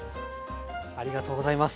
ありがとうございます。